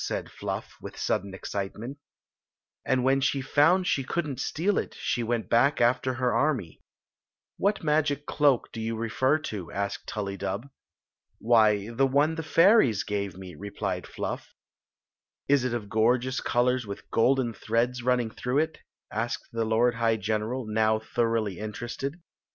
said Fluff, with sudden excitement "Aad when she Queen Zixi of Ix; or, tite found she could n't steal it. she went back after k& army. " What magic cloak do you refer to ?" asked Tul lydub. " Why, the one the fairies gave me," replied F\v& " Is it of gorgeous colors with gokkn ^rea^t n» niQg through it?" asi^ the hrd high genewt mm thoroughly interested.